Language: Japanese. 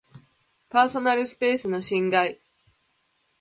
パーソナルスペースの侵害